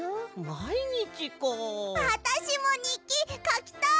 あたしもにっきかきたい！